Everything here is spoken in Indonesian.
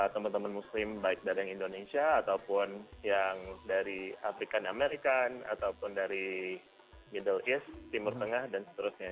teman teman muslim baik dari indonesia ataupun yang dari african american ataupun dari middle east timur tengah dan seterusnya